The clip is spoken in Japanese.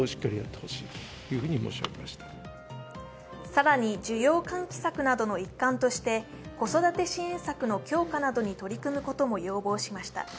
更に需要喚起策などの一環として、子育て支援策の強化などに取り組むことも要望しました。